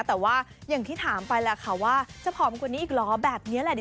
แต่ว่าอย่างที่ถามไปแหละค่ะว่าจะผอมกว่านี้อีกเหรอแบบนี้แหละดิ